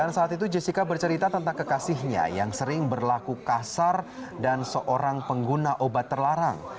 dan saat itu jessica bercerita tentang kekasihnya yang sering berlaku kasar dan seorang pengguna obat terlarang